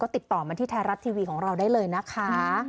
ติดต่อมาที่ไทยรัฐทีวีของเราได้เลยนะคะ